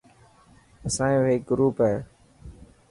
اسانيو هيڪ گروپ هي.